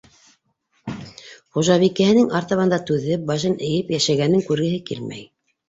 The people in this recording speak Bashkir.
Хужабикәһенең артабан да түҙеп, башын эйеп йәшәгәнен күргеһе килмәй.